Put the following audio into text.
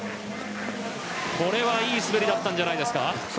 これはいい滑りだったんじゃないですか。